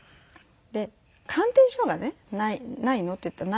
鑑定書がね「ないの？」って言ったら「ない」と。